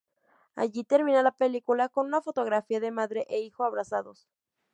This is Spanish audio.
Allí termina la película, con una fotografía de madre e hijo abrazados.